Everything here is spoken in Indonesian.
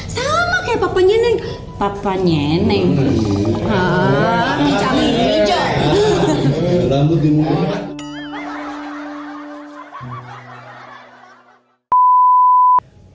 sama kayak papanya nenek